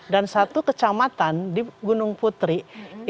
dan satu kecamatan di gunung putri itu jumlah penduduknya tiga ratus enam puluh ribu